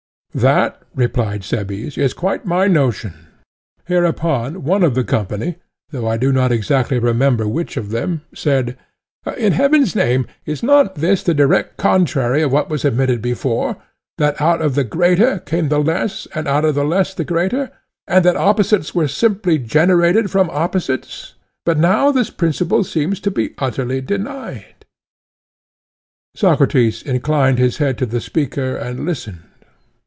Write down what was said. That, replied Cebes, is quite my notion. Hereupon one of the company, though I do not exactly remember which of them, said: In heaven's name, is not this the direct contrary of what was admitted before—that out of the greater came the less and out of the less the greater, and that opposites were simply generated from opposites; but now this principle seems to be utterly denied. Socrates inclined his head to the speaker and listened.